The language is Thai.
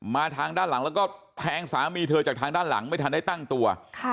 ทางด้านหลังแล้วก็แทงสามีเธอจากทางด้านหลังไม่ทันได้ตั้งตัว